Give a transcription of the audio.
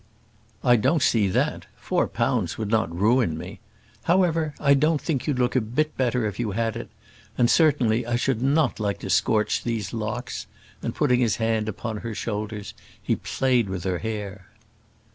"I don't see that: four pounds would not ruin me. However, I don't think you'd look a bit better if you had it; and, certainly, I should not like to scorch these locks," and putting his hand upon her shoulders, he played with her hair.